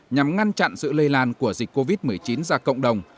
nhằm ngăn chặn sự lây lan của dịch covid một mươi chín ra cộng đồng